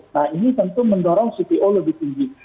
nah ini tentu mendorong cpo lebih tinggi